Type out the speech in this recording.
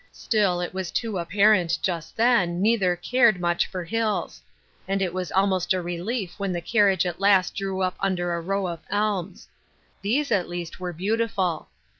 Still it was too apparent just then neither cared much for hills ; and it was al most a relief when the carriage at last drew up un der a row of elms. These, at least, were beautiful.